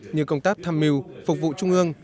như công tác tham mưu phục vụ trung ương